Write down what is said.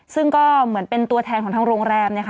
ซึ่งก็เหมือนเป็นตัวแทนของทางโรงแรมนะคะ